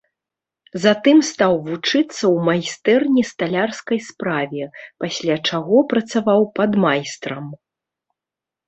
Затым стаў вучыцца ў майстэрні сталярскай справе, пасля чаго працаваў падмайстрам.